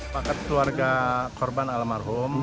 pakat keluarga korban alam marhum